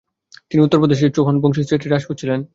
তিনি উত্তরপ্রদেশের চৌহান বংশীয় ছেত্রী রাজপুত ছিলেন।